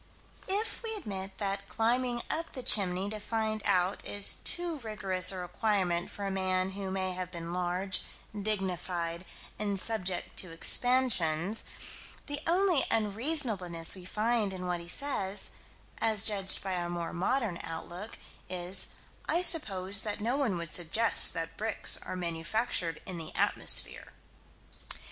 If we admit that climbing up the chimney to find out is too rigorous a requirement for a man who may have been large, dignified and subject to expansions, the only unreasonableness we find in what he says as judged by our more modern outlook, is: "I suppose that no one would suggest that bricks are manufactured in the atmosphere."